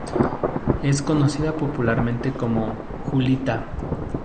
Es conocida popularmente como "Julita".